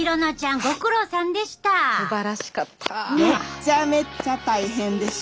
めちゃめちゃ大変でした。